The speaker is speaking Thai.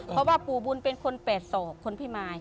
เพราะว่าปูบุญไว้เป็นคนแปรดสอกเป็นคนพี่มาย